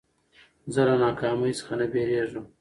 زه له ناکامۍ څخه نه بېرېږم.